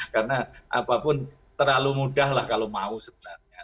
karena apapun terlalu mudah lah kalau mau sebenarnya